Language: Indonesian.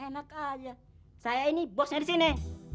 enak aja saya ini bosnya disini